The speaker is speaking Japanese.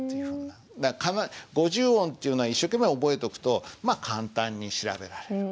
五十音っていうのは一生懸命覚えとくと簡単に調べられる。